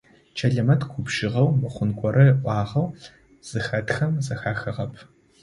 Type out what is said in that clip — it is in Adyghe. Чэлэмэт губжыгъэу, мыхъун горэ ыӏуагъэу зыхэтхэм зэхахыгъэп.